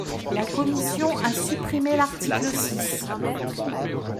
La commission a supprimé l’article six.